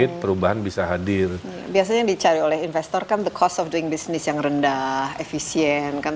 terbiasa hadir biasanya dicari oleh investor kan the cost of doing business yang rendah efisien kan